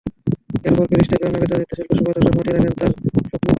এরপর প্যারিস থেকে আগত নৃত্যশিল্পী নোভা দর্শক মাতিয়ে রাখেন তার ফোক নৃত্যে।